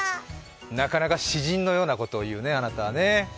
なかなか詩人のようなことを言うね、あなたはね。